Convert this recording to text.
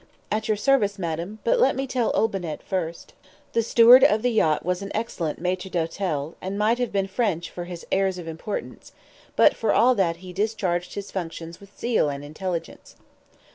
"At your service, madam; but let me tell Olbinett first." The steward of the yacht was an excellent maitre d'hotel, and might have been French for his airs of importance, but for all that he discharged his functions with zeal and intelligence.